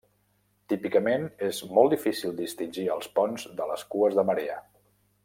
Típicament, és molt difícil distingir els ponts de les cues de marea.